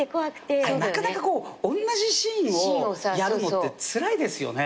あれなかなかこうおんなじシーンをやるのってつらいですよね。